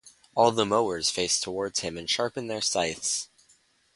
All the mowers face towards him and sharpen their scythes.